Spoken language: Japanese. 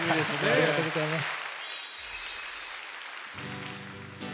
ありがとうございます。